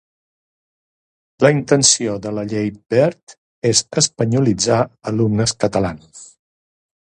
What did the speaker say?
La intenció de la Llei Wert és espanyolitzar alumnes catalans.